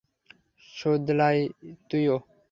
সুদালাই, তুইও।